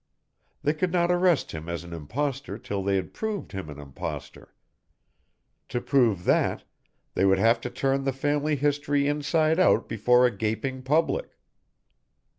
They could not arrest him as an impostor till they had proved him an impostor. To prove that, they would have to turn the family history inside out before a gaping public.